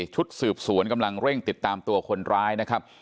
ชุดสืบสวนกำลังเร่งติดตามตัวคนร้ายนะครับ